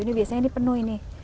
ini biasanya ini penuh ini